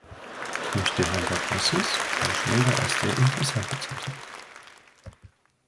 Ich möchte Herrn Barrosos Vorschläge als sehr interessant bezeichnen.